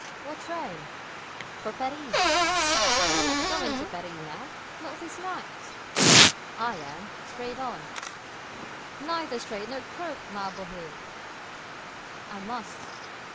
"What train?" "For Paris." "You're not going to Paris now not this night?" "I am, straight on." "Neither straight nor crooked, ma bohil!" "I must."